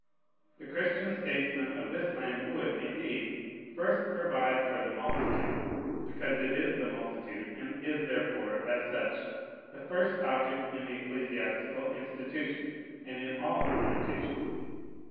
The Christian statesmen of this land would, indeed, first provide for the multitude, because it is the multitude, and is therefore, as such, the first object in the ecclesiastical institution, and in all institutions.